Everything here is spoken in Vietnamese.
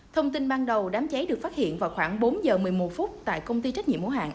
thông tin ban đầu đám cháy được phát hiện vào khoảng bốn giờ một mươi một phút tại công ty trách nhiệm hữu hạng